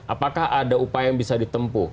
apakah ada upaya yang bisa ditempuh